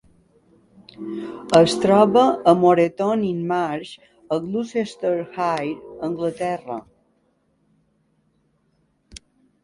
Es troba a Moreton-in-Marsh a Gloucestershire, Anglaterra.